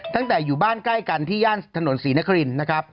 ตั้งแต่อยู่บ้านใกล้กันที่ย่านถนนศรีนครินนะครับ